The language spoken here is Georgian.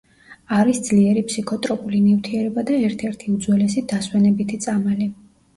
არის ძლიერი ფსიქოტროპული ნივთიერება და ერთ-ერთი უძველესი დასვენებითი წამალი.